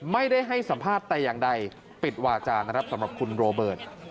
ให้สัมภาษณ์แต่อย่างใดปิดวาจานะครับสำหรับคุณโรเบิร์ต